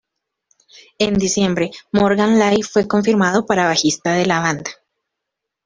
En diciembre, Morgan Lie fue confirmado para bajista de la banda.